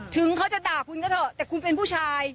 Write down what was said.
ถึงเขาจะด่าคุณก็เถอะแต่คุณเป็นผู้ชาย